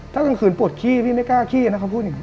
ถ้าทางคืนปวดขี้พี่ไม่กล้าขี้นะ